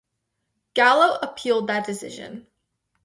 Gallo appealed that decision.